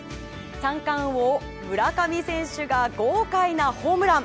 三冠王・村上選手が豪快なホームラン！